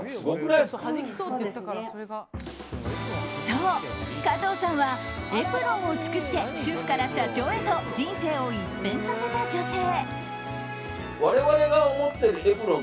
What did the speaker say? そう、加藤さんはエプロンを作って主婦から社長へと人生を一変させた女性。